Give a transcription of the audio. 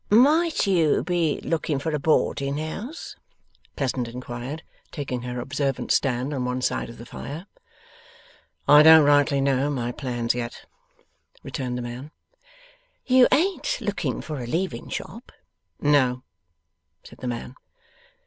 'Might you be looking for a Boarding House?' Pleasant inquired, taking her observant stand on one side of the fire. 'I don't rightly know my plans yet,' returned the man. 'You ain't looking for a Leaving Shop?' 'No,' said the man.